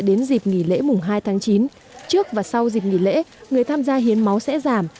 đến dịp nghỉ lễ mùng hai tháng chín trước và sau dịp nghỉ lễ người tham gia hiến máu sẽ giảm